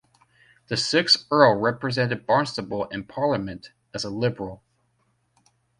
The sixth Earl represented Barnstaple in Parliament as a Liberal.